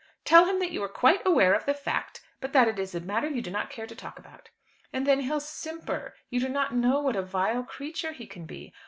"Tell him that you are quite aware of the fact, but that it is a matter you do not care to talk about." "And then he'll simper. You do not know what a vile creature he can be.